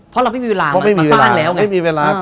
เพราะเราไม่มีเวลามาสร้างแล้วไง